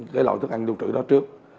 cái loại thức ăn luôn trụ đó trước